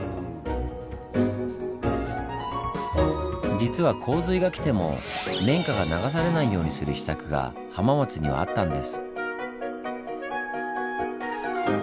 実は洪水が来ても綿花が流されないようにする秘策が浜松にはあったんです。